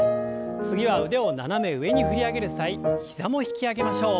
次は腕を斜め上に振り上げる際膝も引き上げましょう。